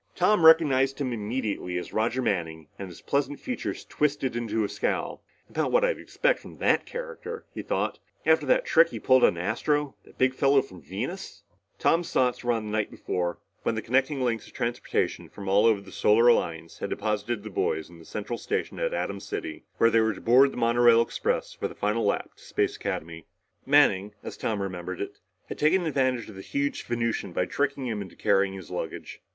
Tom recognized him immediately as Roger Manning, and his pleasant features twisted into a scowl. "About what I'd expect from that character," he thought, "after the trick he pulled on Astro, that big fellow from Venus." Tom's thoughts were of the night before, when the connecting links of transportation from all over the Solar Alliance had deposited the boys in the Central Station at Atom City where they were to board the monorail express for the final lap to Space Academy. Manning, as Tom remembered it, had taken advantage of the huge Venusian by tricking him into carrying his luggage.